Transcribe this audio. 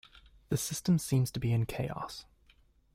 The system seems to be in chaos.